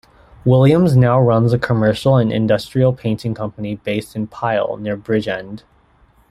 Williams now runs a commercial and industrial painting company based in Pyle, near Bridgend.